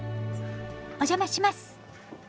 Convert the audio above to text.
お邪魔します。